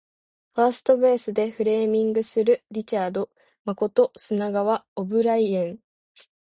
ファーストベースでフレーミングするリチャード誠砂川オブライエン